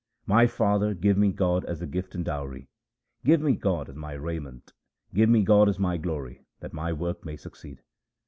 My father, give me God as a gift and dowry. Give me God as my raiment ; give me God as my glory that my work may succeed.